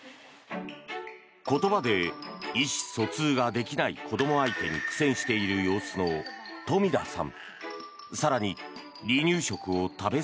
言葉で意思疎通ができない子ども相手に苦戦している様子の富田さん。